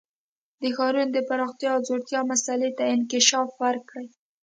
د ښارونو د پراختیا او ځوړتیا مسئلې ته انکشاف ورکړي.